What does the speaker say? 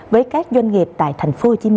với các doanh nghiệp tại tp hcm